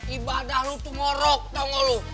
ibadah lu tuh ngorok tau gak lu